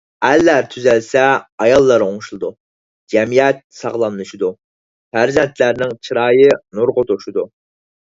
ئەرلەر تۈزەلسە ئاياللار ئوڭشىلىدۇ، جەمئىيەت ساغلاملىشىدۇ، پەرزەنتلەرنىڭ چىرايى نۇرغا توشىدۇ.